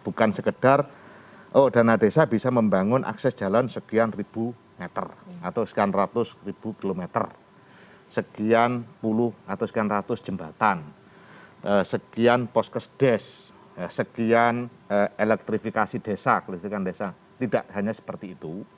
bukan sekedar oh dana desa bisa membangun akses jalan sekian ribu meter atau sekian ratus ribu kilometer sekian puluh atau sekian ratus jembatan sekian poskes des sekian elektrifikasi desa keleksikan desa tidak hanya seperti itu